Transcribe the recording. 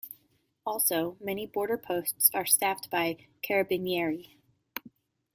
Also, many border posts are staffed by "Carabinieri".